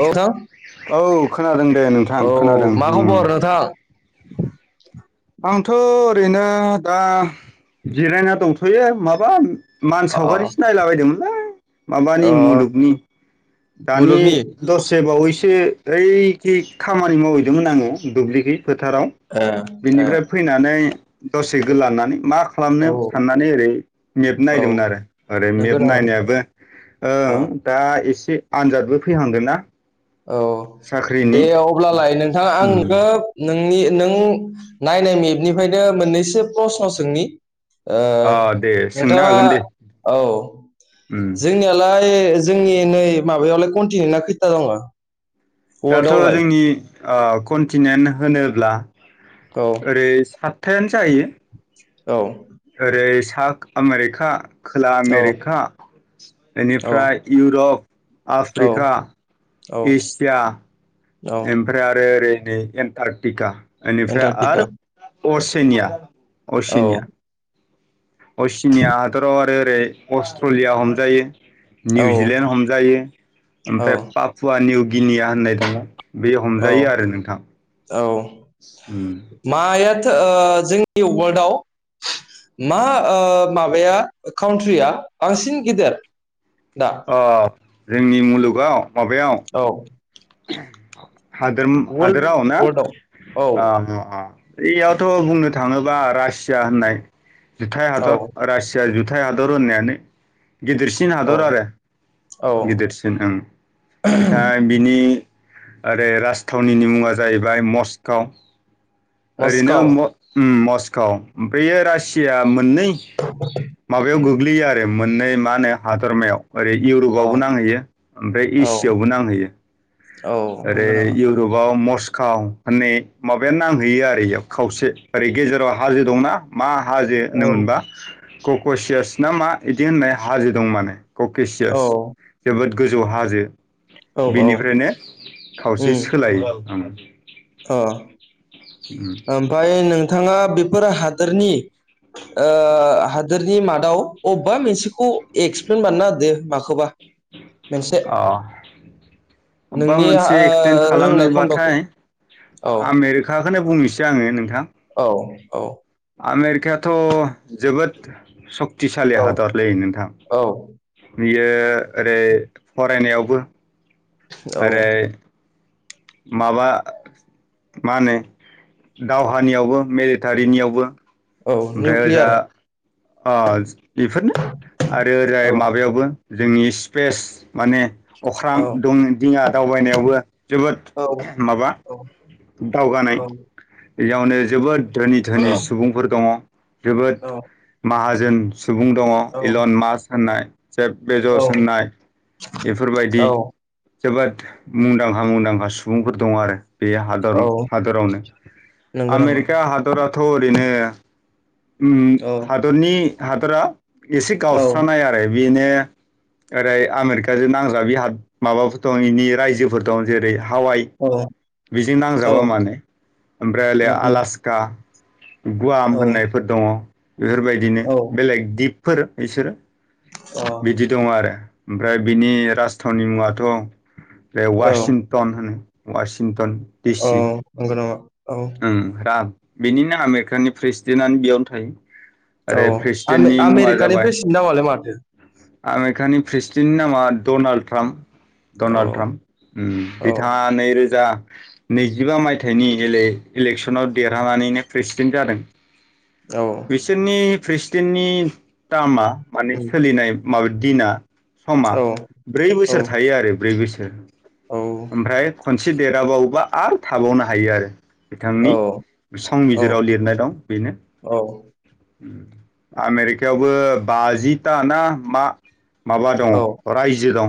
औ नोंथां औ खोनादों दे नोंथां औ खोनादों मा उम उम। खबर नोंथां आंथ' ओरैनो दा जिरायना दंथ'यो माबा अ मानसावगारिसो नायला बायदोंमोनलै अ माबानि मुलुगनि। दानि मुलुगनि दसे बावैसो ओइखि खामानि मावहैदोंमोन आंङो दुब्लिखै फोथाराव। ओ बिनिफ्राय फैनानै दसे गोलानानै मा औ खालामनो साननानै ओरैनो मेप औ नायदोंमोन आरो ओरै नंगौ मेप नामा नायनायाबो अ ओं दा एसे आनजादबो फैहांदों ना औ औ दे अब्लालाय नोंथांङा आं उम नखौ नोंनि नों नायनाय मेपनिफ्रायनो मोननैसो प्रस्न' सोंनि ओ अ दे सोंनो नोंथांङा हागोन दे औ उम जोंनियालाय जोंनि नै माबायावलाय कन्टिनिनना खैथा दंङ? दाथ' जोंनि ओ कन्टिनेन होनोब्ला औ ओरै सात थेनस जाहैयो। औ ओरै सा आमेरिका खोला औ आमेरिका औ एनिफ्राय इउर'प औ आफ्रिका औ एसिया औ ओमफ्राय आरो ओरै नै एन्टारटिका एनिफ्राय एन्टारटिका आरो अरसेनिया औ असिनिया असिनिया हादराव आरो ओरै अस्ट्रलिया हमजायो। औ निउजिलेण्ड हमजायो औ ओमफ्राय पापु आ निउगिनिया होननाय [unintelligible] बे हमजायो औ आरो नोंथां। औ उम मायाथो ओ जोंनि अवाल्डआव मा ओ माबाया काउनत्रि आ बांसिन गेदेर? दा अ जोंनि मुलुगाव माबायाव औ हादोरम वर्ल्ड हादोराव ना वर्ल्डआव औ ओ उम उम ओयावथ' बुंनो थाङोबा रासिया होननाय जुथाय औ हादर रासि जा जुथाइ हादर होननायानो गिदिरसिन औ हादर आरो औ गिदिरसि दों ओं बिथाय बिनि आरो राजथावनिनि मुङा जाहैबाय मस्काव ओरैनो मस्क'व म उम मस्काव बैयो रासिया मोननै माबायाव गोग्लैयो आरो मोननै मा होनो हादरमायाव। ओरै औ इउरपबावबो नांहैयो ओमफ्राय औ एसियावबो नांहैयो औ ओरै नंगौ नामा इउ गोबाव मस्खाव होननाय माबाया नांहैयो आरो इयाव खावसे ओरै गेजेराव हाजो दंना? मा हाजो औ होनोमोनबा कक'सियास ना मा इदि होननाय हाजो दं मानो औ क'केसियास जोबोद गोजौ हाजो औ औ बेनिफ्रायनो खावसे उम सोलायो औ अ उम ओमफाय नोंथाङा बेफोर हादोरनि ओ हादोरनि मादाव अबेबा मोनसेखौ एक्सप्लेन बानायना होदो माखोबा मोनसे अ अबेबा नोंनि मोनसे एक्सप्लेन ओ रोंनाय खालामनोबाथाय खन्द'खौ। औ आमेरिकाखौनो बुंनोसै आङो नोंथां। औ औ आमेरिकायाथ' जोबोद सक्तिसालि औ हादरलै नोंथां। औ बियो ओरै फरायनायावबो औ ओरै माबा मा होनो दावहानियावबो मिलेटारिनियावबो औ निउक्लियार अज बेफोरनो आरो ओरै औ माबायावबो जोंनि स्पेस माने अख्रां औ दं दिङा दावबायनायावबो जोबोद औ माबा औ दावगानाय औ बेयावनो जोबोद धोनि धोनि सुबुंफोर दङ जोबोद औ माहाजोन सुबुं दङ इलन मास होननाय जेब औ बेजस होननाय। औ इफोरबायदि जोबोद मुंदांखा मुंदांखा सुबुंफोर दं आरो बे हादर औ हादरावनो नंगौ नामा आमेरिका हादराथ' ओरैनो उम औ हादरनि हादरा एसे औ गावस्रानाय आरो बेनो ओरै आमेरिकाजों नांजाबि हाद माबाफोर दं इनि रायजोफोर दं जेरै हावाइ। औ बेजों औ नांजाबा माने आमफ्राय ओलै उम उम आलास्का। गुवाम औ होननायफोर दङ बेफोरबायदिनो अ बेलेग दिपफोर बिसोरो। बिदि दं आरो ओमफ्राय बिनि राजथावनि मुङाथ' बे औ वासिन टन होनो वाशिंटन औ डिसि। नंगौ नामा औ ओम राम बेनिनो आमेरिकानि प्रेसिडेन्टनानो बेयावनो थायो। ओरै प्रेसिडेन्टनि मुङा जाबाय नामालाय माथो? आमेरकानि प्रेसिडेन्टनि नामा डनाल्ड ट्राम्प। औ डनाल्ड ट्राम्प उम औ बिथाङा नैरोजा नैजिबा मायथाइनि इले-इलेकसनाव देरहानानैनो प्रेसिडेन्ट जादों। औ बिसोरनि प्रेसिडेन्टनि टार्मा माने उम सोलिनाय माबा दिना समा औ ब्रै औ बोसोर थायो आरो ब्रै बोसोर। औ ओमफ्राय खनसे देरहाबावोबा आरो थाबावनो हायो आरो। बिथांनि औ संबिजिराव लिरनाय दं बेनो। औ आमेरिकायावबो बाजिथा ना मा माबा दङ औ रायजो दं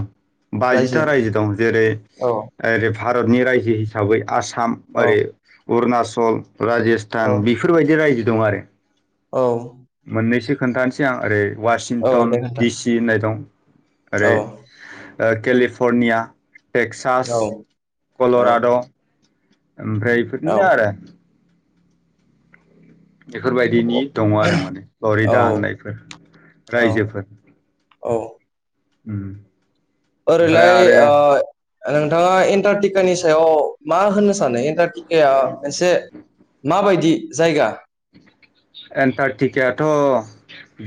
बाजिथा रायजो दं जेरै औ ओरै भारतनि रायजो हिसाबै आसाम औ ओरै अरुणचल, राजस्थ औ थान बेफोरबायदि रायजो दं आरो। औ मोननैसो खोन्थानोसै आं ओरै औ ववासिंटन दे नोंथां डिसि होननाय दं ओरै औ ओ केलिफर्निया टेक्सास औ औ कल'राड'। ओमफ्राय औ इफोरनो आरो। बेफोरबायदिनि दङ आरो माने बावरि दा होननायफोर औ रायजोफोर। औ उम ओरैलाय ओ नोंथाङा एन्टारटिकानि सायाव मा होननो सानो एन्टार टिकाया मोनसे माबायदि जायगा? एन्टारटिकायाथ'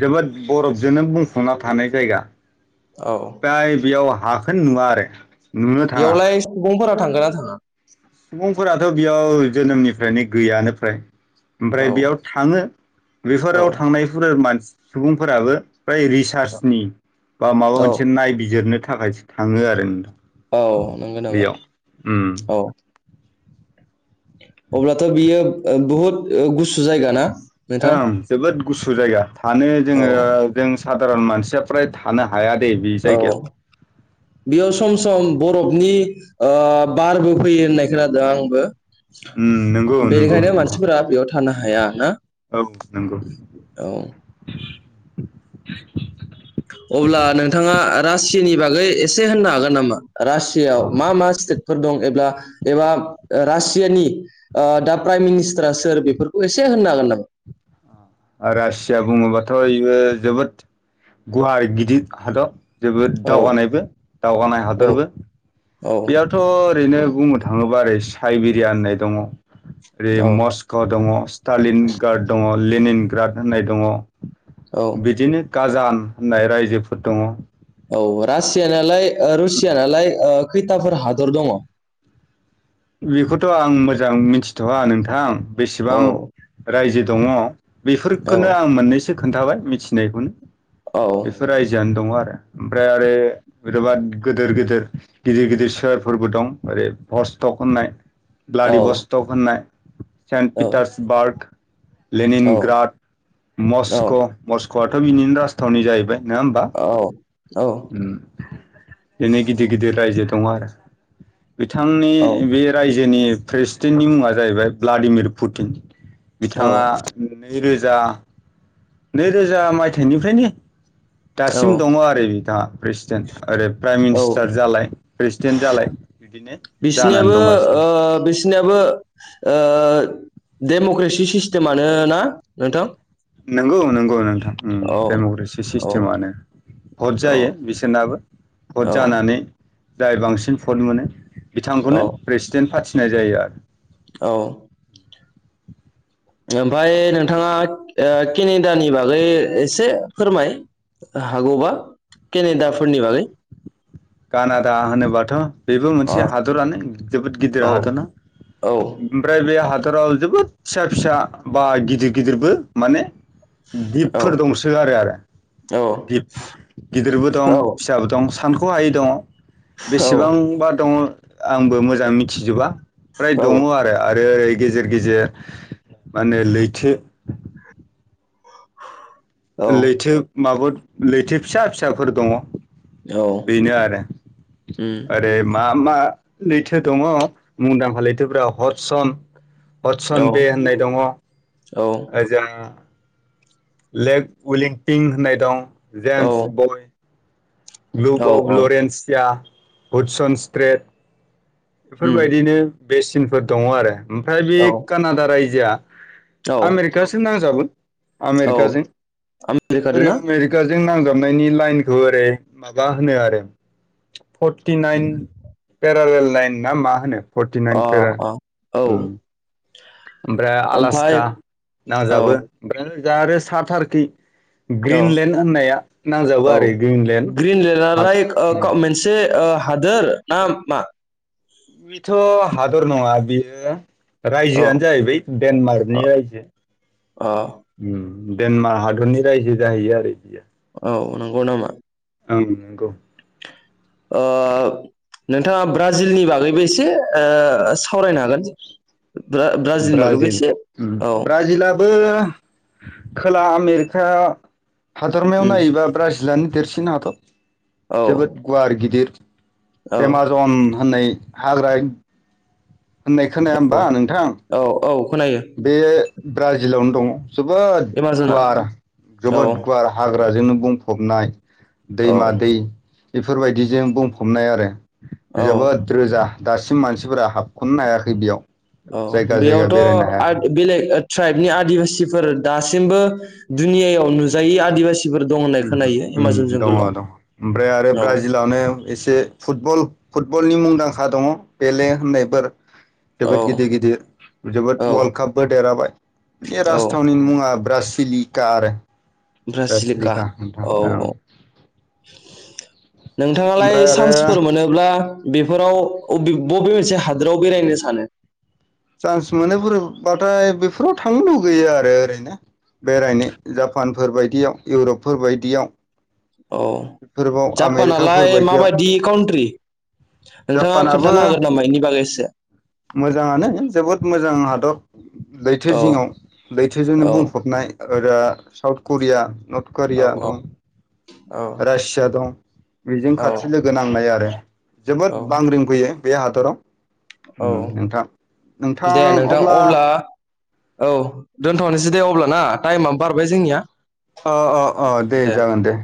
जोबोद बरफजोंनो बुंफुंना थानाय जायगा। औ फ्राय बेयाव हाखोनो नुवा आरो। नुनो थाङा बेयावलाय सुबुंफोरा थांगोन ना थाङा? सुबुंफोराथ' बेयाव जोनोमनिफ्रायनो गैयानो फ्राय। औ ओमफ्राय बेयाव थाङो औ बेफोराव थांनायफोर मानसि सुबुंफोराबो फ्राय रिसार्चनि बा माबा औ मोनसे नायबिजिरनो थाखायसो थाङो आरो नोंथां। औ नंगौ नामा बेयाव उम औ। अब्लाथ' बियो ओ बहुत ओ गुसु जायगा ना? नोंथां ओम जोबोद गुसु जायगा थानो औ जोङो जों साधारन मानसिया फ्राय थानो हाया दे बे औ जायगायाव। बेयाव सम सम बरफनि ओ बारबो फैयो होननाय खोनादों आंबो उम नंगौ नंगौ बेनिखायनो नोंथां मानसिफोरा बेयाव थानो हाया ना औ नंगौ औ अब्ला नोंथाङा रासियानि बागै एसे होननो हागोन नामा रासियाआव मा मा स्टेट फोर दं एब्ला एबा रासियानि दा प्राइम मिनिस्टारा सोर बेफोरखौ एसे होननो हागोन नामा? रासिया बुङोबाथ' बेयो जोबोद गुवार गिदिर हादर जोबोद औ दावगानायबो दावगानाय औ हादरबो औ बेयावथ' ओरैनो बुंनो थाङोबा ओरै साइबेरिया होननाय दङ ओरै औ मस्क' दङ स्टालिन गार्ड दङ लेनिन गार्ड होननाय दङ औ बिदिनो गाजान होननाय रायजोफोर दङ औ रासियानालाय रुसियानालाय खैथाफोर हादर दङ बेखौथ' आं मोजां मिथि थ'वा नोंथां औ बेसेबां रायजो दङ औ बेफोरखोनो आं मोननैसो खोन्थाबाय मिथिनायखौनो औ बेफोर रायजोआनो दङ आरो ओमफ्राय आरो बेबाद गिदिर गिदिर गिदिर गिदिर सोरफोरबो दं ओरै ट होननाय औ ब्लाडि बस्ट' होननाय सेन्ट औ पिटार्सबार्ग औ लेनिनग्राद औ मस्क' मस्क'आथ' बिनिनो राजथावनि जाहैबाय नङा होमबा बिनि गिदिर गिदिर रायजो दङ आरो बिथांनि बे रायजोनि प्रेसिडेन्टनि मुङा जाहैबाय भ्लाडिमिर पुटिन बिथाङा नैरोजा नैरोजा मायथाइनिफ्रायनो औ दासिम दङ आरो बिथाङा प्रेसिडेन्ट ओरै प्राइम औ मिनिस्टार जालाय प्रेसिडेन्ट जालाय बिदिनो जानानै बिसिनियाबो दंगासिनो ओ बेस बिसिनियाबो डेम'क्रेसि सिस्टेमानो ना नोंथां नंगौ नंगौ नोंथां उम औ डेम'क्रेटिक औ सिस्टेमानो भट औ जायो बिसोरनाबो भट औ जानानै जाय बांसिन भट मोनो औ बिथांखौनो प्रेसिडेन्ट फाथिनाय जायो आरो औ ओमफ्राय नोंथाङा खिनि खिनियानि बागै एसे फोरमाय हागौबा केनेदाफोरनि बागै कानादा होनोबाथ' बेबो अ मोनसे हादरानो जोबोद गिदिर औ हादरना औ ओमफ्राय बे हादराव जोबोद फिसा फिसा बा गिदिर गिदिरबो माने औ दिपफोर दंसो गारो आरो औ गिदिरबो दं औ फिसाबो दं खहायै दङ बेसेबांबा दङ आंबो मोजां मिथिजोबा फ्राय औ दङ आरो आरो ओरै गेजेर गेजेर माने लैथो लैथो माबा लैथो फिसा फिसाफोर दङ औ बेनो उम आरो मा मा लैथो दङ मुंदांखा लैथोफाव हरसन अदसन औ बे होननाय दङ औ ओजा लेग उइलिंटिं होननाय दं औ जेमस बय ग्लुप अफ औ लरेन्सिया बुडसन स्ट्रेट उम बेफोरबायदिनो बेसिनफोर दङ' आरो ओमफ्राय बे औ कानाडा रायजोआ औ आमेरि [unintelligible] नांजाबोन औ आमेरिकाजों आमेरिकादो ना [unintelligible] [unintelligible] नांजाबनायनि लाइनखौ ओरै माबा होनो आरो। फर्टिनााइन पेरारेल लाइन ना मा होनो। फर्टि अ नाइन पेरा अ औ उम। ओमफ्राय ओमफाय आलासखा औ नांजाबो ओमफ्राय जा आरो साथारखि औ औ ग्रिनलेण्ड [unintelligible] मोनसे ओ हादोर ना मा? बिथ' हादर नङा बियो औ रायजोआनो जाहैबाय डेनमार्कनि रायजो। अ अ उम डेनमार्क हादरनि रायजो जाहैयो आरो [unintelligible] औ नंगौ नामा? औ नंगौ। ओ नोंथाङा ब्राजिलनि बागैबो एसे ओ सावरायनो हागोन। [unintelligible] ब्राजिलनि बागैबो एसे औ। बो खोला आमेरिका हादरमायाव उम नायोबा ब्राजिलानो देरसिन हादर औ जोबोद गुवार गिदिर। औ एमाजन होननाय हाग्रा होननाय खोनाया होमबा औ नोंथां? औ औ खोनायो। बे ब्राजिलावनो दङ' जोबोद एमाज'ना गुवार औ जोबोद गुवारा। हाग्राजोंनो बुंफबनाय औ दैमा दै बेफोरबायदिजों बुंफबनाय आरो। औ जोबोद रोजा दासिम मानसिफोरा हाबख'नो हायाखै बेयाव। औ जायगा जायगा बेरायनो हायाखै बेयावथ' [unintelligible] बेलेग ट्राइबनि आदिबासिफोर दासिमबो दुनिययाव नुजायै आदिबासि उम उम उम दङ' दङ' ओमफ्राय आरो औ ब्राजिलानायाव एसे फुटबल फुटबलनि मुंदांखा दङ' पेले होननायफोर। जोबोद गिदिर औ गिदिर जोबोद औ वर्ल्ड कापबो देरहाबाय। बे औ राजथावनि मुङा ब्रसिलिका आरो। ब्रासिलिका नोंथां औ ओं औ। नोंथाङालाय ओमफ्राय आरो सान्सफोर मोनो [unintelligible] बेफोराव अबे बबे मोनसे हादोराव बेरायनो सानो? सान्स मोनो [unintelligible] बाथाय बेफोराव थांनो लुगैयो आरो ओरैनो। बेरायनो जापानफोर बायदियाव इउरपफोर बायदियाव। औ बेफोरबाव आमेरिकाफोर जापानालाय बायदियाव माबायदि काउट्रि? नोंथाङा जापानाबो खोन्थानो हागोन नामा इनि बागै इसे? मोजाङानो जोबोद मोजां हादर। लैथो औ जिङाव औ लैथोजोंनो बुंफबनाय [unintelligible] साउथ करिया नर्थ करिया औ [unintelligible] औ रासिया दं बेजों खाथि औ लोगो नांनाय आरो जोबोद औ बांग्रिं फैयो। बे हादराव उम औ नोंथां नोंथां दे नोंथां अब्ला औ दोनथ'नोसै दे अब्लाना टाइमाबो बारबाय जोंनिया। अ अ अ दे जागोन दे।